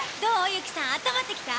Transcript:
由紀さんあったまってきた？